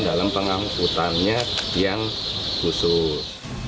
dan dalam pengangkutannya yang khusus